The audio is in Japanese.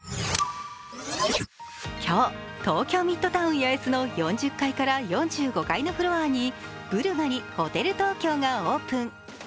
今日、東京ミッドタウン八重洲の４０階から４５階のフロアにブルガリホテル東京がオープン。